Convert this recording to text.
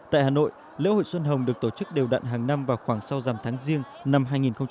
tại hà nội lễ hội xuân hồng được tổ chức đều đặn hàng năm và khoảng sau giảm tháng riêng năm hai nghìn một mươi bảy